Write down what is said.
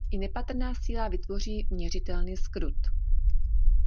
I nepatrná síla vytvoří měřitelný zkrut.